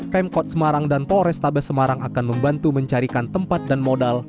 pemkot semarang dan polrestabes semarang akan membantu mencarikan tempat dan modal